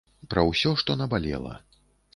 Пра ўсё, што набалела.